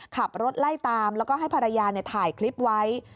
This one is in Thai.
ขับรถไล่ตามแล้วก็ให้ภรรยาถ่ายคลิปไว้